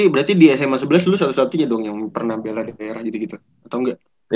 berarti di sma sebelas lu satu satunya dong yang pernah piala di pr gitu gitu atau enggak